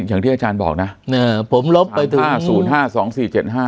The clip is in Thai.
อย่างที่อาจารย์บอกนะผมลบไปถึงห้าศูนย์ห้าสองสี่เจ็ดห้า